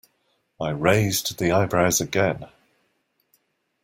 I raised the eyebrows again.